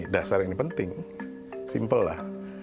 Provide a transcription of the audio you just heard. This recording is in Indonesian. dasar ini penting simpel lah